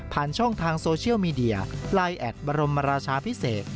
ช่องทางโซเชียลมีเดียไลน์แอดบรมราชาพิเศษ